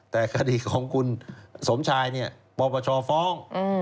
แต่คดีของคุณสมชายเนี่ยปปชฟ้อง